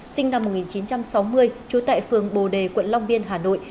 sinh năm một nghìn chín trăm sáu mươi trú tại phường bồ đề quận long biên hà nội